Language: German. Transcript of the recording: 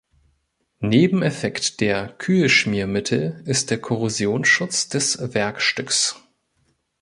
Nebeneffekt der Kühlschmiermittel ist der Korrosionsschutz des Werkstücks.